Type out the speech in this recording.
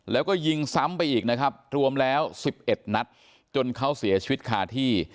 แล้วก็ยิงซ้ำไปอีกนะครับรวมแล้ว๑๑นัดจนเขาเสียชีวิตคาที่